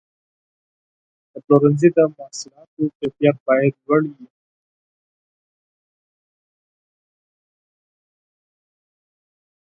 د پلورنځي د محصولاتو کیفیت باید لوړ وي.